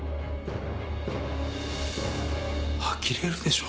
あきれるでしょ。